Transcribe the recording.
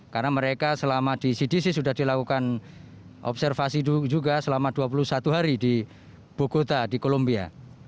karena mereka selama di cdc sudah dilakukan observasi juga selama dua puluh satu hari di bogota di kolombia